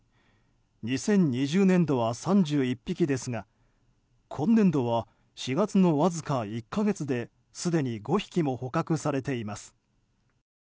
２０２０年度は３１匹ですが今年度は４月のわずか１か月ですでに５匹も捕獲されています。